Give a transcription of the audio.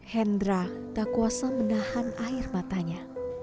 hendra tak kuasa menahan air matanya